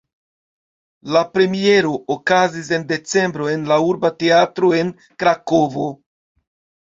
La premiero okazis en decembro en la Urba Teatro en Krakovo.